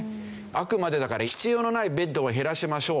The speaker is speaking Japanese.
あくまでだから必要のないベッドを減らしましょう。